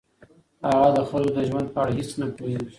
هغه د خلکو د ژوند په اړه هیڅ نه پوهیږي.